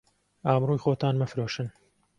ئابڕووی خۆتان مەفرۆشن